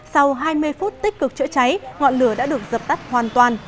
sau hai mươi phút tích cực chữa cháy ngọn lửa đã được dập tắt hoàn toàn